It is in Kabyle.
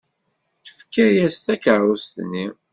Tefka-as takeṛṛust-nni.